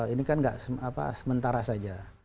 ini kan nggak sementara saja